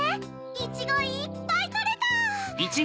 いちごいっぱいとれた！